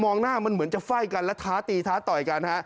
หน้ามันเหมือนจะไฟ่กันแล้วท้าตีท้าต่อยกันฮะ